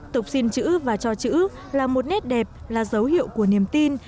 tục xin chữ và cho chữ là một nét đẹp là dấu hiệu của niềm tin